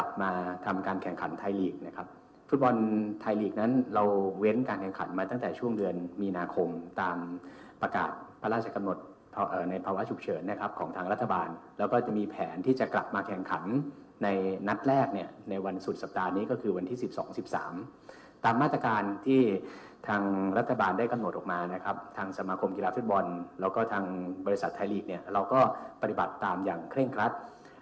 บริษัทไทยหลีกนั้นเราเว้นการแข่งขันมาตั้งแต่ช่วงเดือนมีนาคมตามประกาศพระราชกำหนดในภาวะฉุกเฉินนะครับของทางรัฐบาลแล้วก็จะมีแผนที่จะกลับมาแข่งขันนัดแรกเนี่ยในวันสุดสัปดาห์นี้ก็คือวันที่๑๒๑๓ตามมาตรการที่ทางรัฐบาลได้กำหนดออกมานะครับทางสมาคมกีฬาฟุตบอลแล้วก็ทางบริษ